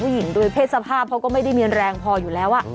ผู้หญิงด้วยเพศสภาพเขาก็ไม่ได้เนียนแรงพออยู่แล้วอะ